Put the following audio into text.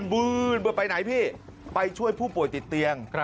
บื้นไปไหนพี่ไปช่วยผู้ป่วยติดเตียง